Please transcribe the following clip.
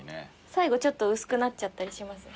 最後ちょっと薄くなっちゃったりします。